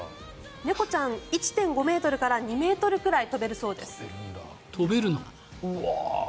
猫ちゃん１．５ｍから２ｍくらい跳べるの？